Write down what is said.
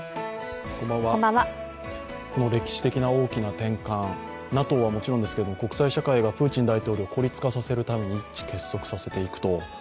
この歴史的な大きな転換、ＮＡＴＯはもちろんですけれども、国際社会がプーチン大統領を孤立させるために一致結束させていくと。